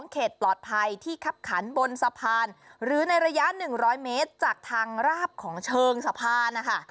เขตปลอดภัยที่คับขันบนสะพานหรือในระยะ๑๐๐เมตรจากทางราบของเชิงสะพานนะคะ